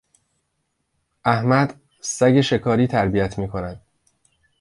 احمد سگ شکاری تربیت میکند.